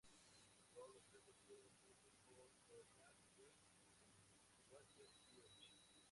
Todos los temas fueron escritos por Bernhard Weiss y Walter Pietsch.